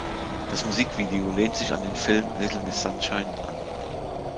Das Musikvideo lehnt sich an den Film "Little Miss Sunshine" an.